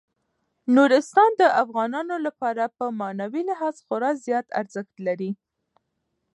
نورستان د افغانانو لپاره په معنوي لحاظ خورا زیات ارزښت لري.